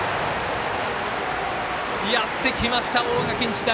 やってきました、大垣日大。